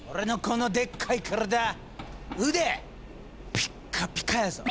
ピッカピカやぞ。